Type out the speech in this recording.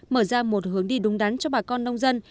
mở ra một hướng đi đúng đắn cho bà con nông dân